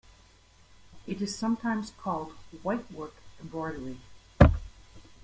It is sometimes called whitework embroidery.